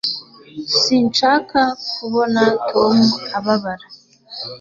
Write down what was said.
Sinshaka kubona Tom ababara